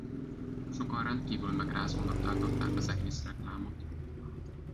Sokan rendkívül megrázónak tartották az egész reklámot.